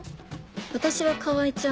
私は川合ちゃん